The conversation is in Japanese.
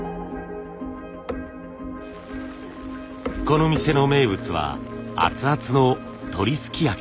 この店の名物は熱々の鳥すきやき。